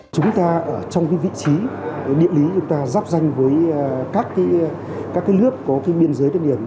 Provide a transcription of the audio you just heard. chúng ta ở trong vị trí địa lý chúng ta dắp danh với các lước có biên giới đến điểm